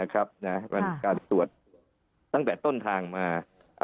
มันการตรวจตั้งแต่ต้นทางมา